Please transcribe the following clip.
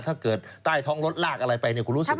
ถ้าเกิดใต้ท้องรถรากอะไรไปคุณรู้สึกไหม